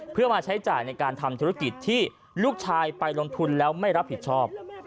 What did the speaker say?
เพื่อมาใช้จ่ายในการทำธุรกิจที่ลูกชายไปลงทุนแล้วไม่รับผิดชอบ